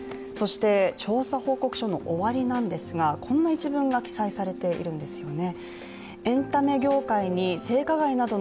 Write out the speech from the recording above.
調査報告書の終わりなんですが、こんな一文が記載されているんですよね。